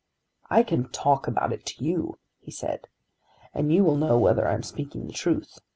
"I can talk about it to you," he said, "and you will know whether I am speaking the truth.